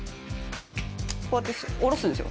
こうやって下ろすんですよ。